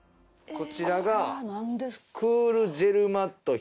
こちらが。